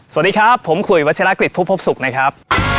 สวัสดีครับผมคุยวัชลากฤษผู้พบสุขนะครับ